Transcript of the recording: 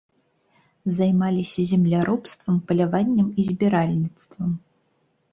Займаліся земляробствам, паляваннем і збіральніцтвам.